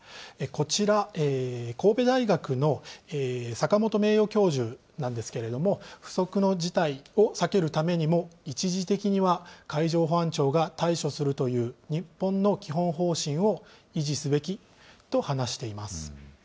こちら、神戸大学の坂元名誉教授なんですけれども、不測の事態を避けるためにも、１次的には海上保安庁が対処するという日本の基本方針を維持すべきと話しています。